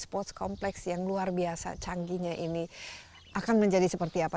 spot kompleks yang luar biasa canggihnya ini akan menjadi seperti apa